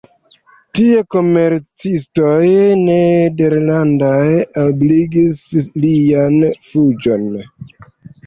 Tie komercistoj nederlandaj ebligis lian fuĝon.